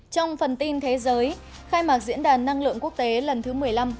trong phần tin thế giới khai mạc diễn đàn năng lượng quốc tế lần thứ một mươi năm